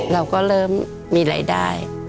เราก็เริ่มมีรายได้